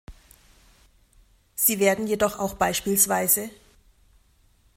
Sie werden jedoch auch bspw.